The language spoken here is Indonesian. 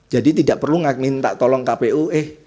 tidak perlu minta tolong kpu eh